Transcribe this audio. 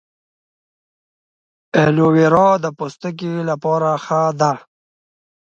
ایلوویرا د پوستکي لپاره ښه ده